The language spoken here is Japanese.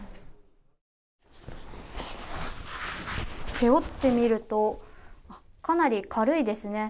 背負ってみると、かなり軽いですね。